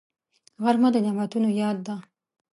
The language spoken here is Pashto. غرمه د نعمتونو یاد ده